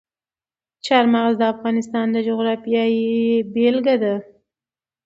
چار مغز د افغانستان د جغرافیې بېلګه ده.